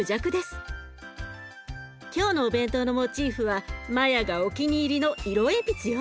今日のお弁当のモチーフはマヤがお気に入りの色鉛筆よ。